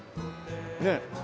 ねえ。